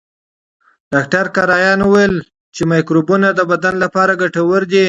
ډاکټر کرایان وویل چې مایکروبونه د بدن لپاره ګټور دي.